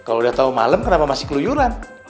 kalo udah tau malem kenapa masih keluyuran